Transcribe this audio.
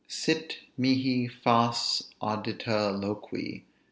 Sit mihi fas audita loqui!